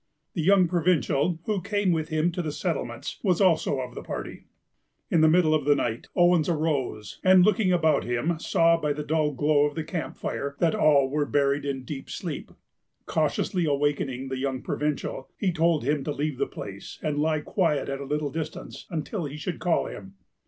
The young provincial, who came with him to the settlements, was also of the party. In the middle of the night, Owens arose, and looking about him saw, by the dull glow of the camp fire, that all were buried in deep sleep. Cautiously awakening the young provincial, he told him to leave the place, and lie quiet at a little distance, until he should call him.